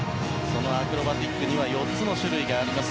アクロバティックには４つの種類があります。